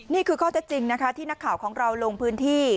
นี่คือข้อจริงที่นักข่าวของเราลงพื้นที่